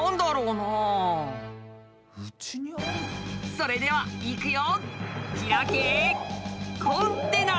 それではいくよ！